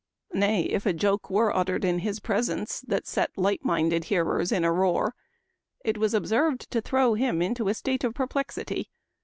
Nay, if a joke were uttered in his presence that set light minded hearers in a roar, it was observed to throw him into a state of perplexity.